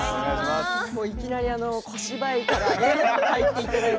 いきなり小芝居から入っていただいて。